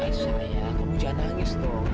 aisyah ya kamu jangan nangis dong